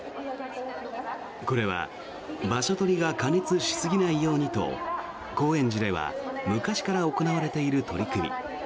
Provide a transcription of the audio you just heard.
これは、場所取りが過熱しすぎないようにと高円寺では昔から行われている取り組み。